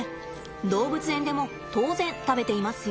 動物園でも当然食べていますよ。